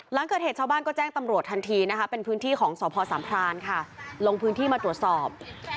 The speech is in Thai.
หลังเกิดเหตุชาวบ้านก็แจ้งตำรวจทันทีนะคะเป็นพื้นที่ของสพสามพรานค่ะลงพื้นที่มาตรวจสอบ